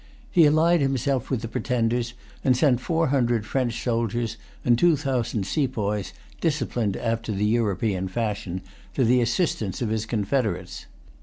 He allied himself with the pretenders, and sent four hundred French soldiers, and two thousand sepoys, disciplined after the European fashion, to the assistance of his confederates.